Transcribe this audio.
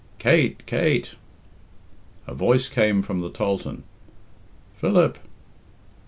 "Kate! Kate!" Her voice came from the tholthan. "Philip!"